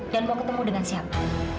dan mau ketemu dengan siapa